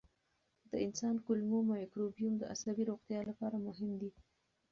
د انسان کولمو مایکروبیوم د عصبي روغتیا لپاره مهم دی.